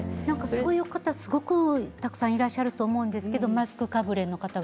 そういう方たくさんいらっしゃると思うんですけどマスクかぶれの方。